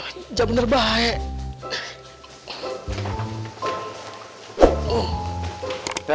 udah bener bener baik